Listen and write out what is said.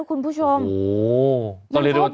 วันนี้จะเป็นวันนี้